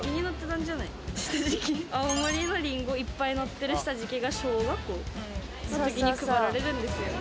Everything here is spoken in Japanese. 青森のりんごいっぱい載ってる下敷きが小学校の時に配られるんですよ。